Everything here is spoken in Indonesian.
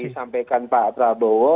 apa yang disampaikan pak prabowo